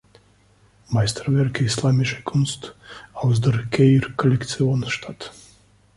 Meisterwerke islamischer Kunst aus der Keir Collection" statt.